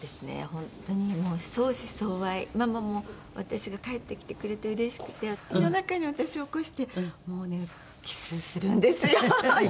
本当にもう相思相愛ママも私が帰ってきてくれてうれしくて夜中に私を起こしてもうねキスするんですよ。